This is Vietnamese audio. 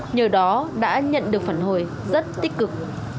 nhờ đó đã nhận được phản hồi rất tích cực